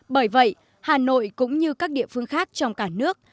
bởi vậy hà nội cũng như các địa phương khác trong cả nước